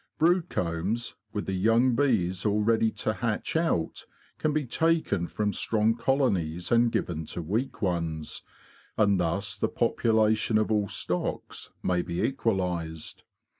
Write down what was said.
Brood combs, with the young bees all ready to hatch out, can be taken from strong colonies and given to weak ones, and thus the population of all stocks may be equalised.